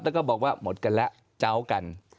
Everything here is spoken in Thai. แล้วก็บอกว่าหมดกันแล้วเจ้ากัน